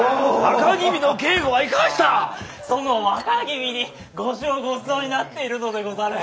その若君に御酒をごちそうになっているのでござる。